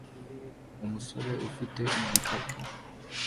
Umusore ufite igikapu